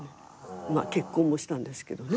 まあ結婚もしたんですけどね。